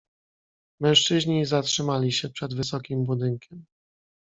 "Mężczyźni zatrzymali się przed wysokim budynkiem."